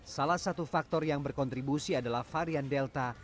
salah satu faktor yang berkontribusi adalah varian delta